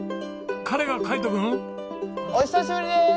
彼が海斗君？お久しぶりです！